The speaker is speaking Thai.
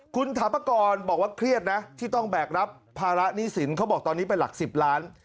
คุณถาปกรบอกว่าเครียดนะที่ต้องแบกรับภาระหนี้สินเขาบอกตอนนี้เป็นหลัก๑๐ล้าน